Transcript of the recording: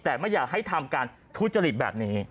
แต่ไม่อยากให้ทำการทุจริตแบบนี้